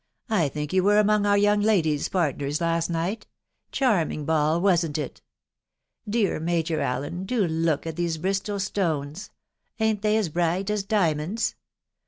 I think you were among our young ladies' partners last night ..... Charming ball, wasn't it ?.... Dear Major Allen, do look at these Bristol stones ! ain't they as bright as diamonds